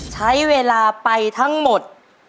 ใช้เวลาไปทั้งหมด